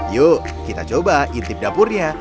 yuk kita coba intip dapurnya